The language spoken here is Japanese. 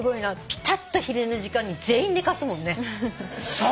ぴたっと昼寝の時間に全員寝かすもんね。